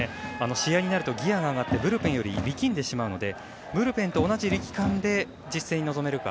試合になるとギアが上がってブルペンより力んでしまうのでブルペンと同じ力感で実戦に臨めるか。